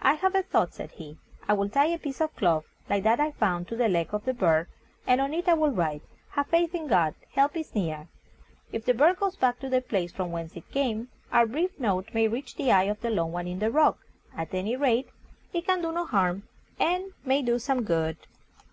"I have a thought," said he; "I will tie a piece of cloth, like that I found, to the leg of the bird, and on it I will write, 'Have faith in God: help is near.' If the bird goes back to the place from whence it came, our brief note may reach the eye of the lone one in the rock. At any rate, it can do no harm, and may do some good."